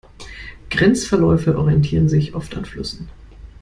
Grenzverläufe orientieren sich oft an Flüssen.